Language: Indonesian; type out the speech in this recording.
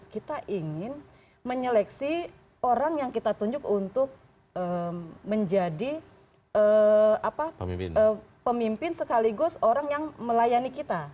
kita ingin menyeleksi orang yang kita tunjuk untuk menjadi pemimpin sekaligus orang yang melayani kita